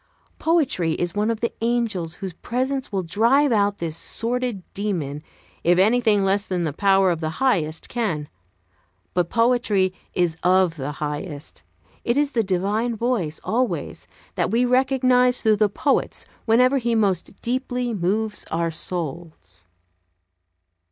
Poetry is one of the angels whose presence will drive out this sordid demon, if anything less than the Power of the Highest can. But poetry is of the Highest. It is the Divine Voice, always, that we recognize through the poet's, whenever he most deeply moves our souls.